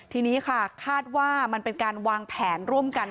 ทีนี้ค่ะคาดว่ามันเป็นการวางแผนร่วมกัน